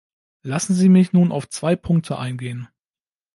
Lassen Sie mich nun auf zwei Punkte eingehen.